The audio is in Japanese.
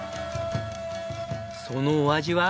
そのお味は。